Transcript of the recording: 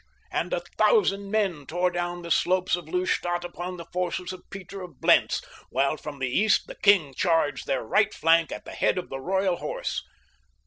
and a thousand men tore down the slopes of Lustadt upon the forces of Peter of Blentz, while from the east the king charged their right flank at the head of the Royal Horse.